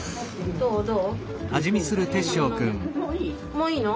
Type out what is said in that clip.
もういいの？